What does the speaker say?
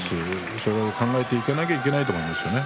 そう考えていかなければいけないと思いますね